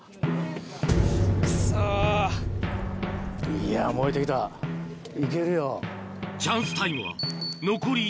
いや燃えてきたいけるよ。